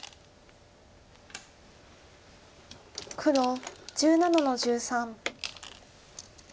黒１７の十三。